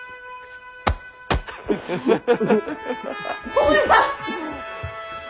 お前さん！